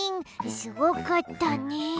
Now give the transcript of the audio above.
すごかったね。